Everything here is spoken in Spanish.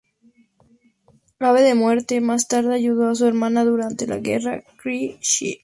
Ave de Muerte más tarde, ayudó a su hermana durante la "Guerra Kree-Shi'ar".